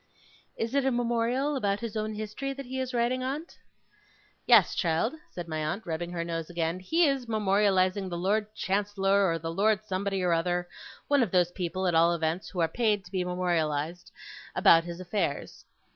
'Is it a Memorial about his own history that he is writing, aunt?' 'Yes, child,' said my aunt, rubbing her nose again. 'He is memorializing the Lord Chancellor, or the Lord Somebody or other one of those people, at all events, who are paid to be memorialized about his affairs.